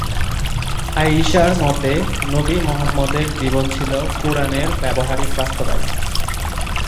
আয়িশার মতে নবী মুহাম্মদের জীবন ছিল কুরআনের ব্যবহারিক বাস্তবায়ন।